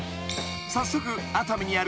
［早速熱海にある］